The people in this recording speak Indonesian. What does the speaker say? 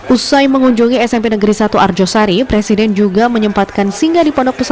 usai mengunjungi smp negeri satu arjosari presiden juga menyempatkan singgah di pondok pesantren